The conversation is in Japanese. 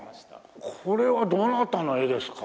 これはどなたの絵ですか？